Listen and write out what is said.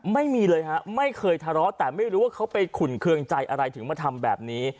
ไม่มีเลยฮะไม่เคยทะเลาะแต่ไม่รู้ว่าเขาไปขุนเครื่องใจอะไรถึงมาทำแบบนี้